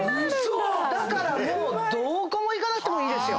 だからもうどこも行かなくてもいいですよ。